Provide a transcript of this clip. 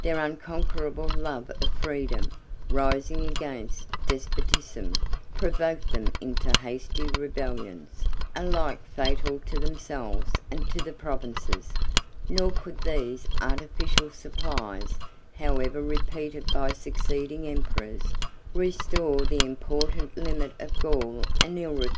Their unconquerable love of freedom, rising against despotism, provoked them into hasty rebellions, alike fatal to themselves and to the provinces; 49 nor could these artificial supplies, however repeated by succeeding emperors, restore the important limit of Gaul and Illyricum to its ancient and native vigor.